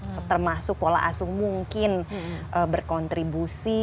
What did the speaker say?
jadi termasuk pola asuh mungkin berkontribusi